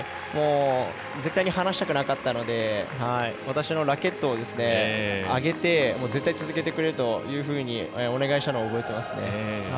絶対に離したくなかったので私のラケットをあげて絶対、続けてくれとお願いしたのを覚えていますね。